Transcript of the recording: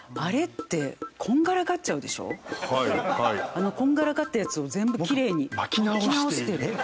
あのこんがらがったやつを全部きれいに巻き直してる。